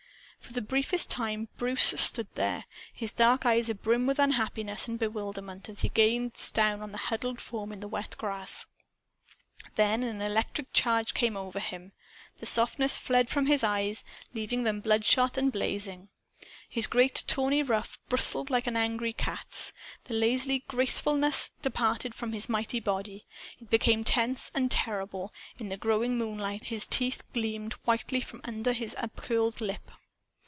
For the briefest time, Bruce stood there, his dark eyes abrim with unhappiness and bewilderment, as he gazed down on the huddled form in the wet grass. Then an electric change came over him. The softness fled from his eyes, leaving them bloodshot and blazing. His great tawny ruff bristled like an angry cat's. The lazy gracefulness departed from his mighty body. It became tense and terrible. In the growing moonlight his teeth gleamed whitely from under his upcurled lip.